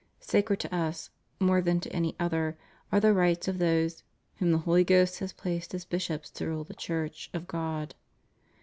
Sacred to Us (more than to any other) are the rights of those "whom the Holy Ghost has placed as bishops to Tide the Church of God."